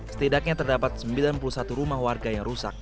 setidaknya terdapat sembilan puluh satu rumah warga yang rusak